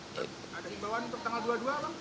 ada imbauan untuk tanggal dua puluh dua bang